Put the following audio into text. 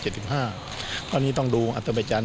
ตอนนี้ต้องดูอาซิบายจาน